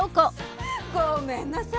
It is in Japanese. ごめんなさい。